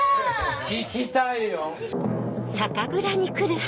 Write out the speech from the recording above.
聞きたいよ！